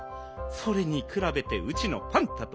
それにくらべてうちのパンタときたら。